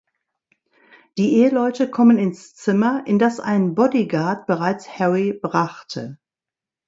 Die Eheleute kommen ins Zimmer, in das ein Bodyguard bereits Harry brachte.